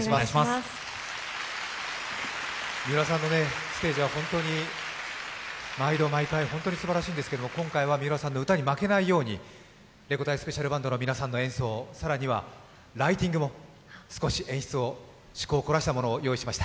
三浦さんのステージは毎度、毎回本当にすばらしいんですが今回は三浦さんの歌に負けないようにレコ大スペシャルバンドの皆さんの演奏、更にはライティングも趣向をこらしたものにしました。